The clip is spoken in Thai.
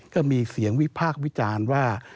ก็มีเสียงวิพากษ์วิจารณ์ว่า